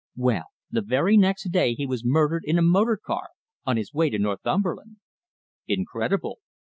Well, the very next day he was murdered in a motor car on his way to Northumberland." "Incredible!"